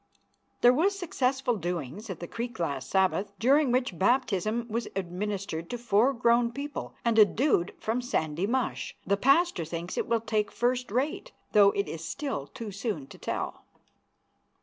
There was a successful doings at the creek last Sabbath, during which baptism was administered to four grown people and a dude from Sandy Mush. The pastor thinks it will take first rate, though it is still too soon to tell.